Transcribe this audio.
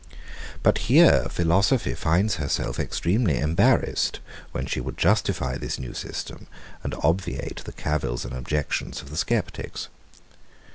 But here philosophy finds herself extremely embarrassed, when she would justify this new system, and obviate the cavils and objections of the sceptics.